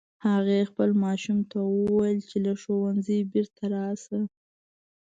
هغې خپل ماشوم ته وویل چې له ښوونځي بیرته راشه